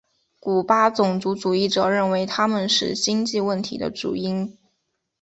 古巴种族主义者认为他们是经济问题的主因。